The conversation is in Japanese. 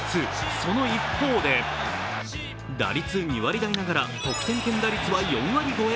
その一方で打率２割台ながら得点圏打率は４割超え。